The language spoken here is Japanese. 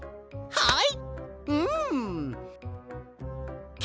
はい！